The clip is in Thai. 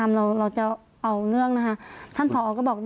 แล้วก็ย้ำว่าจะเดินหน้าเรียกร้องความยุติธรรมให้ถึงที่สุด